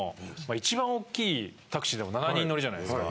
一番おっきいタクシーでも７人乗りじゃないですか。